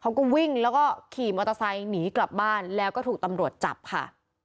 เขาก็วิ่งแล้วก็ขี่มอเตอร์ไซค์หนีกลับบ้านแล้วก็ถูกตำรวจจับค่ะ